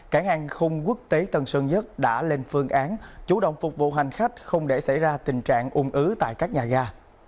cảng an khung quốc tế tân sơn nhất đã lên phương án chủ động phục vụ hành khách không để xảy ra tình trạng ung ứ tại các nhà ga